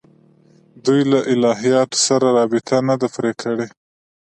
دوی له الهیاتو سره رابطه نه ده پرې کړې.